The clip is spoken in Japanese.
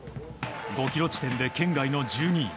５ｋｍ地点で圏外の１２位。